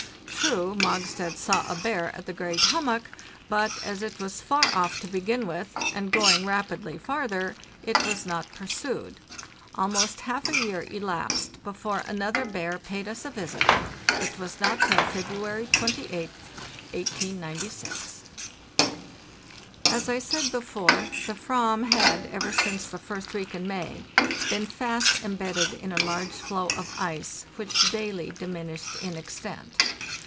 True, Mogstad saw a bear at the great hummock, but, as it was far off to begin with, and going rapidly farther, it was not pursued. Almost half a year elapsed before another bear paid us a visit — it was not till February 28, 1896. As I said before, the "vam had, ever since the first week in May, been fast embedded in a large floe of ice, which daily diminished in extent.